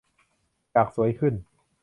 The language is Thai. อยากสวยขึ้น